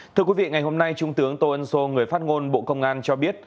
thưa quý vị ngày hôm nay trung tướng tô ân sô người phát ngôn bộ công an cho biết